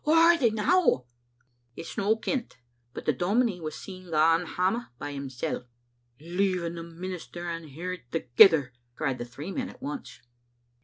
Whaur are they now?" " It's no kent, but — the dominie was seen goin' hame by himsel'." "Leaving the minister and her thegither!" cried the three men at once.